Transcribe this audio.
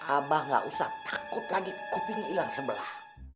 abah gak usah takut lagi kupingnya hilang sebelah